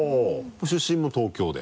出身も東京で？